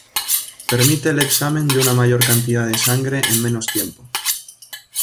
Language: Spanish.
Permite el examen de una mayor cantidad de sangre en menos tiempo.